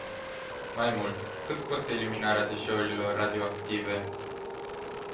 Mai mult, cât costă eliminarea deșeurilor radioactive?